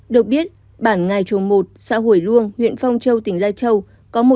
được biết bản ngài trồng một xã hủy luông huyện phong châu tỉnh lai châu